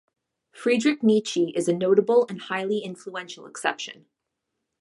Friedrich Nietzsche is a notable and highly influential exception.